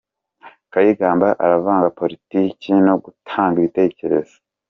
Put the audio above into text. Kayigamba aravanga politiki no gutanga ibitekerezo.